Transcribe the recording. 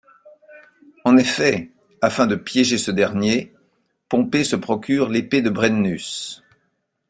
En effet, afin de piéger ce dernier, Pompée se procure l'épée de Brennus.